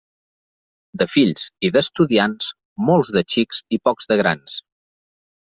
De fills i d'estudiants, molts de xics i pocs de grans.